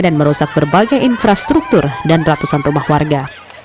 dan merusak berbagai infrastruktur dan ratusan rumah warga